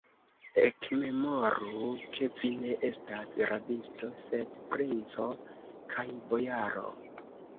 Ekmemoru, ke vi ne estas rabisto, sed princo kaj bojaro!